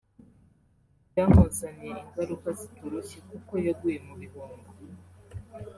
byamuzaniye ingaruka zitoroshye kuko yaguye mu bihombo